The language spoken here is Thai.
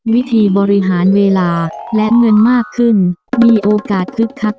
วิธีบริหารเวลาและเงินมากขึ้นมีโอกาสคึกคัก